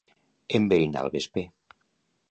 Enverinar el vesper.